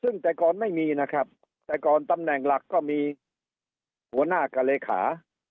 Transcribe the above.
ซึ่งแต่ก่อนไม่มีนะครับแต่ก่อนตำแหน่งหลักก็มีหัวหน้ากับเลขา